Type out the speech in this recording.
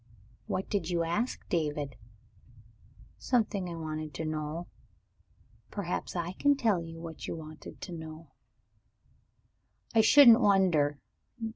What did you ask David?" "Something I wanted to know." "Perhaps I can tell you what you want to know?" "I shouldn't wonder.